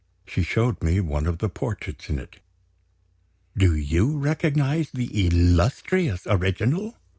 She showed me one of the portraits in it. "Do you recognize the illustrious original?"